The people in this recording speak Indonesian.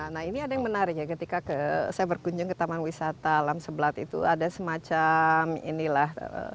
nah ini ada yang menarik ya ketika saya berkunjung ke taman wisata alam sebelat itu ada semacam inilah